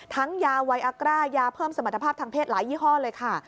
ยาไวอากร่ายาเพิ่มสมรรถภาพทางเพศหลายยี่ห้อเลยค่ะ